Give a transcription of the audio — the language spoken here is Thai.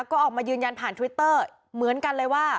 ก็ออกมายืนยันผ่านทวิตเตอร์เหมือนกันเลยว่า